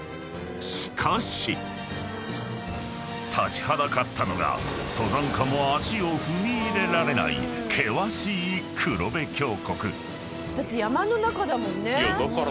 ［しかし立ちはだかったのが登山家も足を踏み入れられない険しい黒部峡谷］